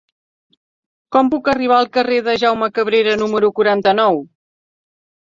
Com puc arribar al carrer de Jaume Cabrera número quaranta-nou?